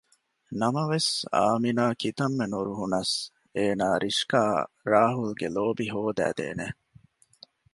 ނަމަވެސް އާމިނާ ކިތަންމެ ނުރުހުނަސް އޭނާ ރިޝްކާއަށް ރާހުލްގެ ލޯބި ހޯދައިދޭނެ